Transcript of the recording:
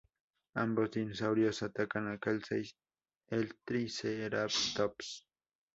Ambos dinosaurios atacan a Kelsey, el "Triceratops".